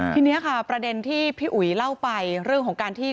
ทีนี้ค่ะประเด็นที่พี่อุ๋ยเล่าไปเรื่องของการที่